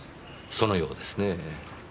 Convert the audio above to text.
そのようですねぇ。